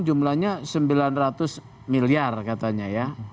jumlahnya sembilan ratus miliar katanya ya